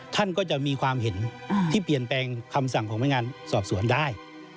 ท่านก็จะมีความเห็นที่เปลี่ยนแปลงคำสั่งของพนักงานสอบสวนได้